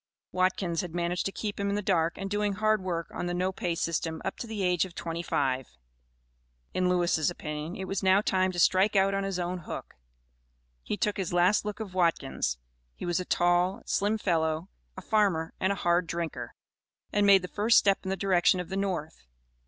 Watkins had managed to keep him in the dark and doing hard work on the no pay system up to the age of twenty five. In Lewis' opinion, it was now time to "strike out on his own hook;" he took his last look of Watkins (he was a tall, slim fellow, a farmer, and a hard drinker), and made the first step in the direction of the North.